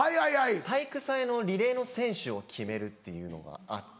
体育祭のリレーの選手を決めるっていうのがあって。